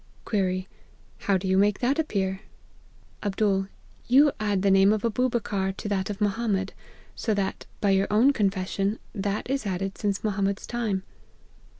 44 Query. ' How do you make that appear?' APPENDIX. 213 < Md. 'You add the name of Aububeckar to that of Mohammed so that, by your own confes sion, that is added since Mohammed's time.'